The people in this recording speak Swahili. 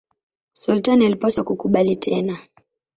Sultani alipaswa kukubali tena.